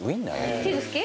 チーズ好き？